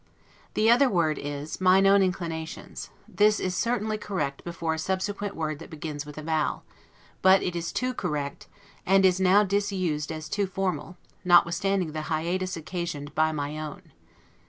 The other word is, MINE OWN INCLINATIONS: this is certainly correct before a subsequent word that begins with a vowel; but it is too correct, and is now disused as too formal, notwithstanding the hiatus occasioned by MY OWN.